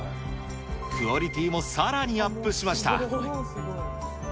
クオリティーもさらにアップしました。